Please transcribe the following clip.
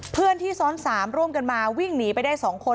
เพื่อนที่ซ้อน๓ร่วมกันมาวิ่งหนีไปได้๒คน